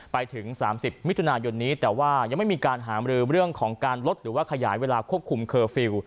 ไปถึง๓๐มิถุนายนนี้แต่ว่ายังไม่มีการหามรือเรื่องของการลดหรือว่าขยายเวลาควบคุมเคอร์ฟิลล์